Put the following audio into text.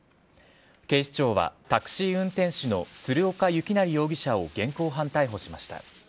警視庁は、タクシー運転手の鶴岡幸成容疑者を現行犯逮捕しました。